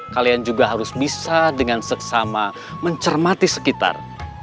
kalian juga harus bisa dengan seksama mencermati sekitar